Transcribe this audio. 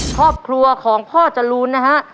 ครอบครัวของพ่อจรูนนะฮะ